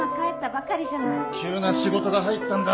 急な仕事が入ったんだ。